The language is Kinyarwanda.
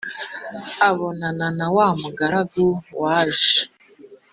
abonana nawamugaragu waje